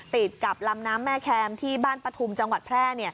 ติดกับลำน้ำแม่แคมที่บ้านปฐุมจังหวัดแพร่